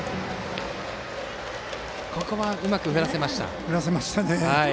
ここはうまく振らせました。